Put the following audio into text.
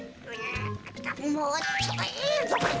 もうちょいと。